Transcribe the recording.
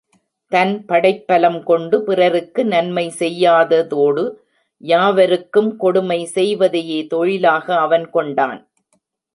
தன் படைப்பலம் கொண்டு பிறருக்கு நன்மை செய்யாததோடு யாவருக்கும் கொடுமை செய்வதையே தொழிலாக அவன் கொண்டான்.